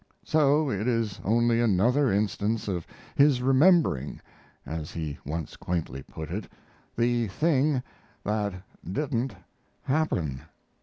So it is only another instance of his remembering, as he once quaintly put it, "the thing that didn't happen."